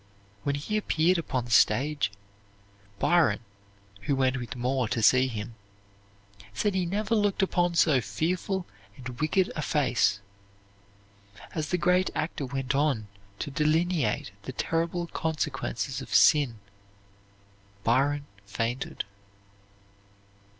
When he appeared upon the stage, Byron, who went with Moore to see him, said he never looked upon so fearful and wicked a face. As the great actor went on to delineate the terrible consequences of sin, Byron fainted.